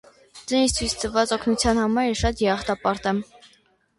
Ձեր ինձ ցույց տված օգնության համար ես շատ երախտապարտ եմ: